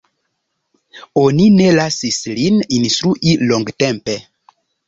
Oni ne lasis lin instrui longtempe.